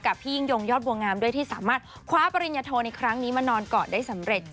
พี่ยิ่งยงยอดบัวงามด้วยที่สามารถคว้าปริญญโทในครั้งนี้มานอนก่อนได้สำเร็จ